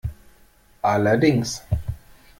Allerdings.